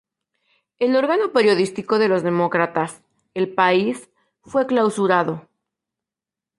El órgano periodístico de los demócratas, "El País", fue clausurado.